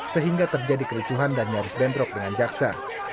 sehingga terjadi kericuhan dan nyaris bendrok dengan jaksa